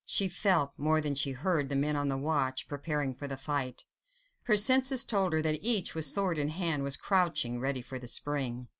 She felt, more than she heard, the men on the watch preparing for the fight. Her senses told her that each, with sword in hand, was crouching, ready for the spring.